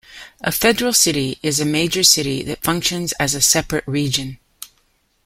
A federal city is a major city that functions as a separate region.